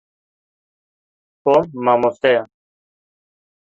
Tom mamoste ye.